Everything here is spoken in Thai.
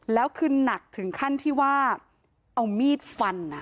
แล้วคือหนักถึงขั้นที่ว่าเอามีดฟัน